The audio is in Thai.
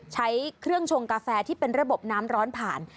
ใช้เครื่องชงกาแฟที่เป็นระบบน้ำร้อนผ่าน